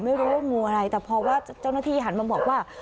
ไม่รู้ว่างูอะไรแต่พอว่าเจ้าหน้าที่หันมาบอกว่า